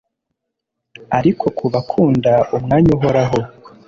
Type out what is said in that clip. ariko ku bakunda, umwanya uhoraho